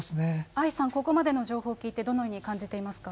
愛さん、ここまでの情報を聞いて、どのように感じていますか。